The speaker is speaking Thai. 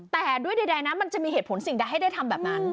แต่ด้วยใดนะมันจะมีเหตุผลสิ่งใดให้ได้ทำแบบนั้น